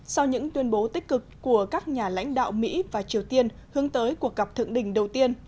sau những tuyên bố tích cực của các nhà lãnh đạo mỹ và triều tiên hướng tới cuộc gặp thượng đỉnh đầu tiên